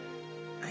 はい！